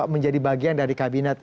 menjadi bagian dari kabinet